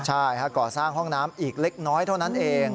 ใช่ก่อสร้างห้องน้ำอีกเล็กน้อยเท่านั้นเอง